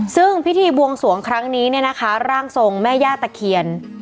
ซึ่งพิธีบวงสวงครั้งนี้เนี่ยนะคะร่างทรงแม่ย่าตะเคียน